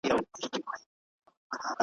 او یواز اوسیږي په تیاره توره نړۍ کي ,